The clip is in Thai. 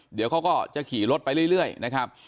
เดี๋ยวเขาก็จะขี่รถไปเรื่อยนะครับ